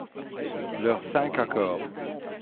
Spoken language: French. Leurs cinq accords.